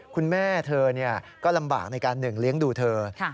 คุณแม่เธอก็ลำบากในการหนึ่งเลี้ยงดูเธอ